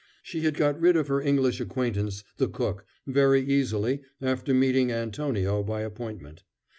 She had got rid of her English acquaintance, the cook, very easily after meeting Antonio by appointment.